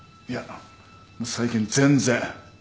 いや最近全然。